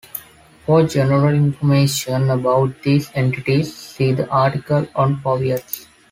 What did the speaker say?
For general information about these entities, see the article on powiats.